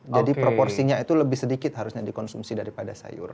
jadi proporsinya itu lebih sedikit harusnya dikonsumsi daripada sayur